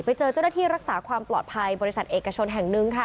ไปเจอเจ้าหน้าที่รักษาความปลอดภัยบริษัทเอกชนแห่งหนึ่งค่ะ